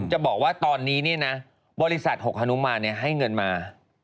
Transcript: จะบอกว่าตอนนี้เนี่ยนะบริษัทหกฮนุมานให้เงินมา